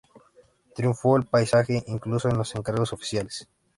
Triunfó el paisaje, incluso en los encargos oficiales.